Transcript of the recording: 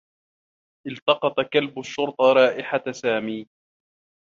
التقط كلب الشّرطة رائحة سامي.